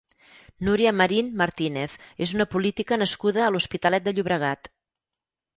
Núria Marín Martínez és una política nascuda a l'Hospitalet de Llobregat.